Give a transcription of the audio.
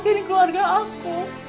maafin keluarga aku